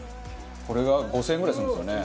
これが５０００円ぐらいするんですよね。